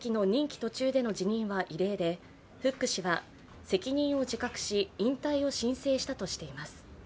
途中での辞任は異例でフック氏は、責任を自覚し引退を申請したとしています。